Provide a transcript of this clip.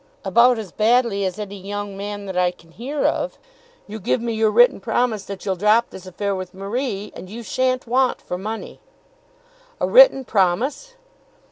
"About as badly as any young man that I can hear of. You give me your written promise that you'll drop this affair with Marie, and you shan't want for money." "A written promise!"